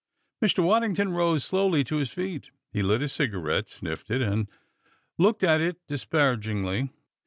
Mr. Waddington rose slowly to his feet. He lit a cigarette, sniffed it, and looked at it disparagingly.